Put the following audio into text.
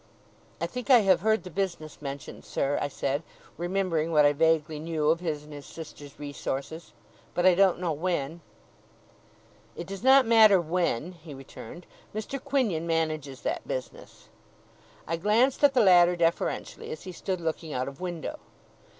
'I think I have heard the business mentioned, sir,' I said, remembering what I vaguely knew of his and his sister's resources. 'But I don't know when.' 'It does not matter when,' he returned. 'Mr. Quinion manages that business.' I glanced at the latter deferentially as he stood looking out of window.